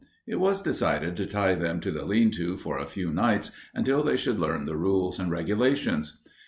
It was decided to tie them to the lean to for a few nights until they should learn the rules and regulations.